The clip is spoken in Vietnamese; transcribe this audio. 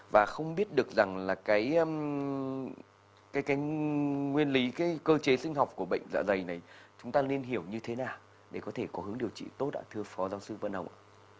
và không biết được rằng là cái nguyên lý cái cơ chế sinh học của bệnh dạ dày này chúng ta nên hiểu như thế nào để có thể có hướng điều trị tốt ạ thưa phó giáo sư vân ông ạ